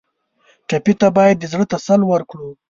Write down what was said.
ټپي ته باید د زړه تسل ورکړو.